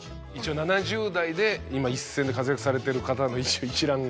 ７０代で今一線で活躍されている方の一覧が。